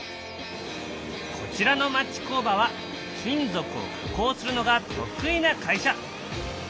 こちらの町工場は金属を加工するのが得意な会社。